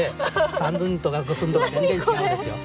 三寸とか五寸とか全然違うですよ。